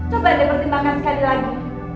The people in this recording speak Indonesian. coba dia pertimbangkan sekali lagi